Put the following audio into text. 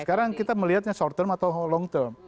sekarang kita melihatnya short term atau long term